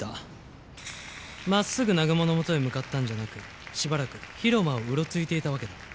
真っすぐ南雲のもとへ向かったんじゃなくしばらく広間をうろついていたわけだ。